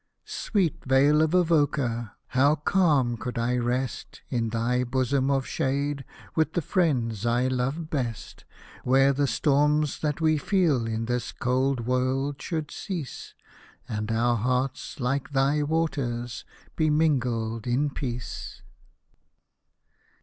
Sweet vale of Avoca ! how calm could I rest In thy bosom of shade, with the friends I love best, Where the storms that we feel in this cold world should cease. And our hearts, like thy waters, be mingled in peace.